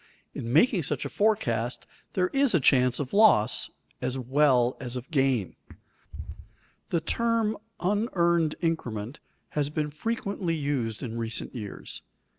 In making such a forecast there is chance of loss as well as of gain. The term "unearned increment" has been frequently used in recent years.